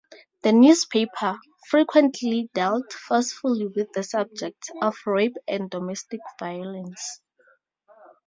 The newspaper frequently dealt forcefully with the subjects of rape and domestic violence.